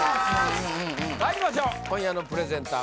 まいりましょう今夜のプレゼンター